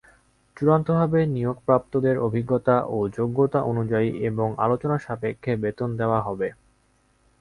চূড়ান্তভাবে নিয়োগপ্রাপ্তদের অভিজ্ঞতা ও যোগ্যতা অনুযায়ী এবং আলোচনা সাপেক্ষে বেতন দেওয়া হবে।